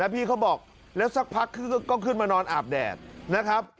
พี่เขาบอกแล้วสักพักก็ขึ้นมานอนอาบแดดนะครับ